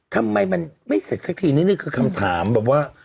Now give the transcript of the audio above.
ทำไมมันไม่เสร็จสักทีนิดนึงคือคำถามแบบว่า